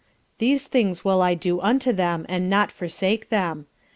These Things will I do unto them and not forsake them.